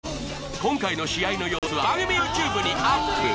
今回の試合の様子は番組ＹｏｕＴｕｂｅにアップ。